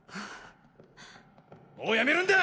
もうやめるんだ！